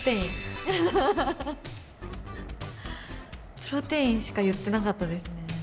プロテインしか言ってなかったですね。